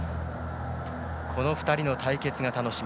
この２人の対決が楽しみ。